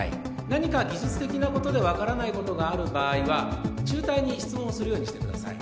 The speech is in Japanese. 何か技術的なことで分からないことがある場合はチューターに質問するようにしてください